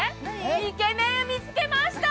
イケメン見つけました。